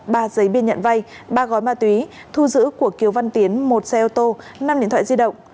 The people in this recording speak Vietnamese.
ba giấy biên nhận vay ba gói ma túy thu giữ của kiều văn tiến một xe ô tô năm điện thoại di động